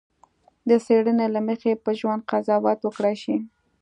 د څېړنې له مخې په ژوند قضاوت وکړای شي.